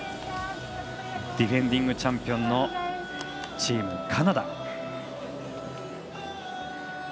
ディフェンディングチャンピオンチームカナダ。